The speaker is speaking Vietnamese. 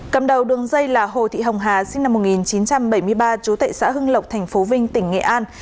cầm đầu đường dây là hồ thị hồng hà sinh năm một nghìn chín trăm bảy mươi ba trú tại xã hưng lộc tp vinh tỉnh nghệ an